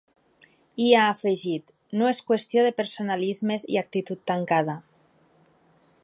I ha afegit: No és qüestió de personalismes i actitud tancada.